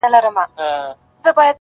کلي دوه برخې ښکاري اوس ډېر-